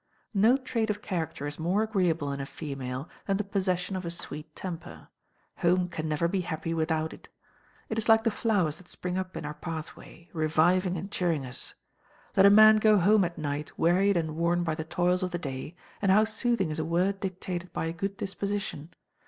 No trait of character is more agreeable in a female than the possession of a sweet temper. Home can never be happy without it. It is like the flowers that spring up in our pathway, reviving and cheering us. Let a man go home at night, wearied and worn by the toils of the day, and how soothing is a word dictated by a good disposition!